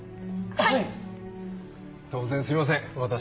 はい。